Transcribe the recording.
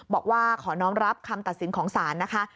บอกว่าขอน้องรับคำตัดสินของศาลนะคะ